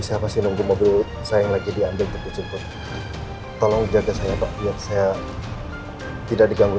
saya pasti nunggu mobil saya lagi diambil ke tempat tolong jaga saya biar saya tidak diganggu